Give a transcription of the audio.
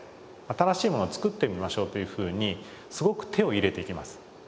新しいものを作ってみましょうというふうにすごく手を入れていきます。